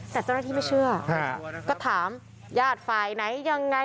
แต่เจ้าหน้าที่ไม่เชื่อก็ถามญาติฝ่ายไหนยังไง